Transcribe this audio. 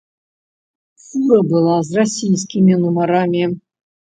Фура была з расійскімі нумарамі.